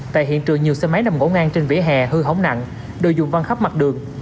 tại hiện trường nhiều xe máy nằm ngỗ ngang trên vỉa hè hư hỏng nặng đồ dùng văn khắp mặt đường